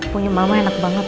punya mama enak banget